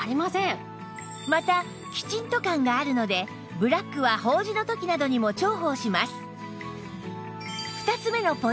またきちんと感があるのでブラックは法事の時などにも重宝します